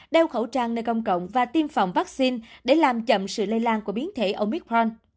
đeo khẩu trang nơi công cộng và tiêm phòng vaccine để làm chậm sự lây lan của biến thể omicron